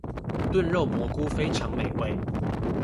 燉肉蘑菇非常美味